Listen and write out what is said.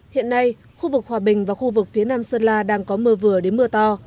hiện nay khu vực hòa bình và khu vực phía nam sơn la đang có mưa vừa đến mưa to